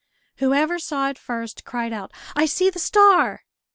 Whoever saw it first cried out, "I see the star!"